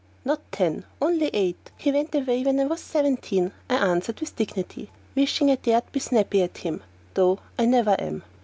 "Not ten, only eight! He went away when I was seventeen," I answered with dignity, wishing I dared be snappy at him: though I never am.